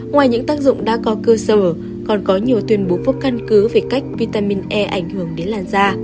ngoài những tác dụng đã có cơ sở còn có nhiều tuyên bố phút căn cứ về cách vitamin e ảnh hưởng đến làn da